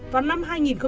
vào năm hai nghìn chín